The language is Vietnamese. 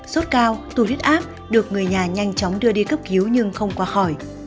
sốt cao tù huyết áp được người nhà nhanh chóng đưa đi cấp cứu nhưng không qua khỏi